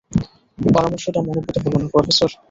পরামর্শটা মনোঃপুত হলো না, প্রফেসর!